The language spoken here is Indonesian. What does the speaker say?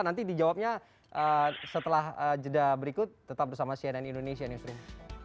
nanti dijawabnya setelah jeda berikut tetap bersama cnn indonesia newsroom